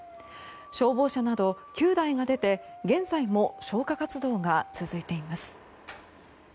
消防車など９台が出て現在も消火活動が続いています。